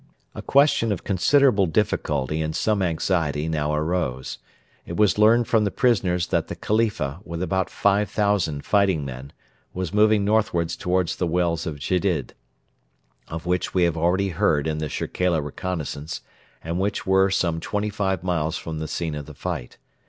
A question of considerable difficulty and some anxiety now arose. It was learned from the prisoners that the Khalifa, with about 5,000 fighting men, was moving northwards towards the wells of Gedid, of which we have already heard in the Shirkela reconnaissance, and which were some twenty five miles from the scene of the fight.